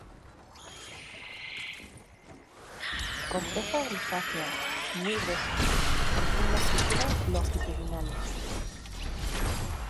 Corteza grisácea, muy gruesa, profundas fisuras longitudinales.